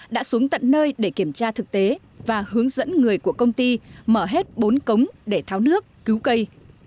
đã xuống tận nơi để kiểm tra thực tế và hướng dẫn người của công ty mở hết bốn cống để tháo nước cứu cây